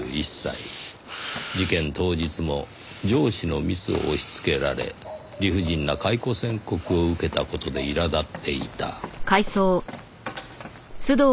事件当日も上司のミスを押し付けられ理不尽な解雇宣告を受けた事でいらだっていた。